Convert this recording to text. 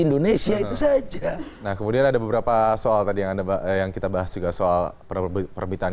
indonesia itu saja nah kemudian ada beberapa soal tadi yang anda yang kita bahas juga soal permintaan